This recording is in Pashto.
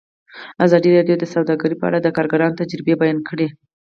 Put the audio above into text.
ازادي راډیو د سوداګري په اړه د کارګرانو تجربې بیان کړي.